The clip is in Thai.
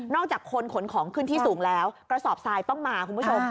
อกจากคนขนของขึ้นที่สูงแล้วกระสอบทรายต้องมาคุณผู้ชม